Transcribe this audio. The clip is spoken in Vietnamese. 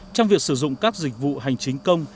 trong việc sử dụng các dịch vụ hành chính công